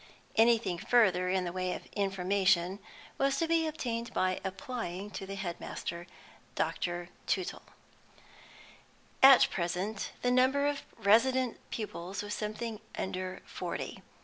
Anything further in the way of information was to be obtained by applying to the headmaster, Dr. Tootle. At present the number of resident pupils was something under forty.